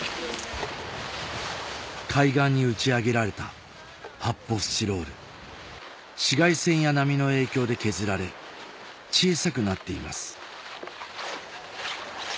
海岸に打ち上げられた発泡スチロール紫外線や波の影響で削られ小さくなっています